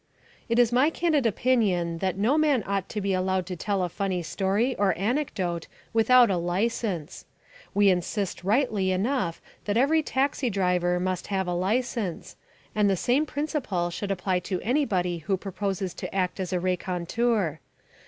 It is my candid opinion that no man ought to be allowed to tell a funny story or anecdote without a license. We insist rightly enough that every taxi driver must have a license, and the same principle should apply to anybody who proposes to act as a raconteur.